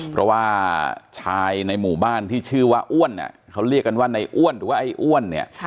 เพราะว่าชายในหมู่บ้านที่ชื่อว่าอ้วนเขาเรียกกันว่าในอ้วนหรือว่าไอ้อ้วนเนี่ย